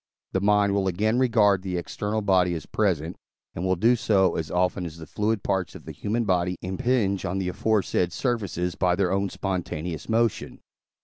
the mind will again regard the external body as present, and will do so, as often as the fluid parts of the human body impinge on the aforesaid surfaces by their own spontaneous motion.